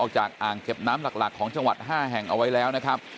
จากอ่างเก็บน้ำหลักของจังหวัด๕แห่งเอาไว้แล้วนะครับ